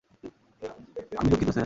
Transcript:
আমি দুঃখিত, স্যার।